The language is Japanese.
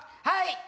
はい！